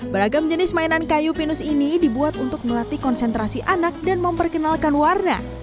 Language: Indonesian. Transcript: beragam jenis mainan kayu pinus ini dibuat untuk melatih konsentrasi anak dan memperkenalkan warna